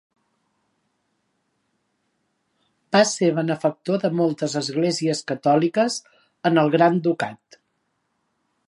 Va ser benefactor de moltes esglésies catòliques en el Gran Ducat.